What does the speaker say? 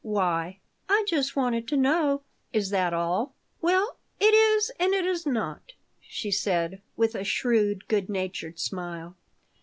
Why?" "I just wanted to know." "Is that all?" "Well, it is and it is not," she said, with a shrewd, good natured smile.